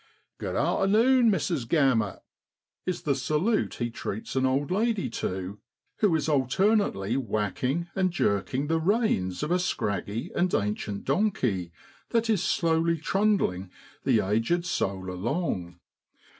'(rood arternune! Mrs. Gammut,' is the salute he treats an old lady to, who is alternately whacking and jerking the reins of a scraggy and ancient donkey, that is slowly trundling the aged soul along.